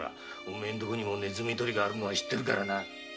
お前のとこにもネズミ取りがあるのは知ってるからな。